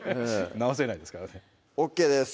直せないですからねＯＫです